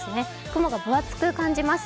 雲が分厚く感じます。